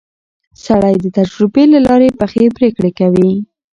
سړی د تجربې له لارې پخې پرېکړې کوي